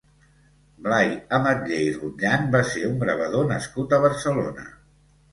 Blai Ametller i Rotllan va ser un gravador nascut a Barcelona.